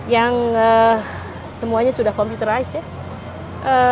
yang semuanya sudah computerized ya